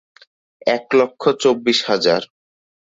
এক লক্ষ চব্বিশ হাজার।